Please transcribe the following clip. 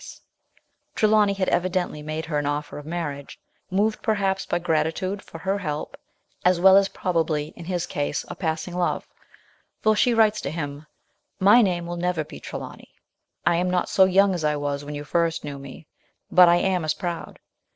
S. Trelawny had evidently made her an offer of marriage, moved perhaps by gratitude for her help, as well as probably, in his case, a passing love ; for she writes to him :" My name will never be Trelawny. I am not so young as I was when you first knew me, but I am as proud.